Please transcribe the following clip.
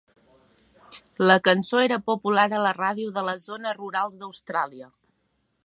La cançó era popular a la ràdio de les zones rurals d'Austràlia.